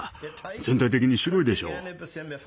全体的に白いでしょう。